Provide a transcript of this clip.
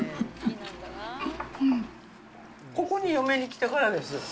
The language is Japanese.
ここに嫁に来てからです。